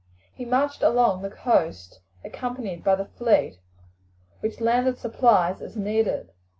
He marched along the coast accompanied by the fleet, which landed supplies as needed.